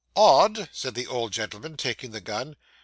'Odd,' said the old gentleman, taking the gun.